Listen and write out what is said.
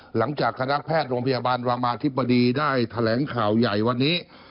หลังจากคณะแพทย์โรงพยาบาลรามาธิบดีได้แถลงข่าวใหญ่วันนี้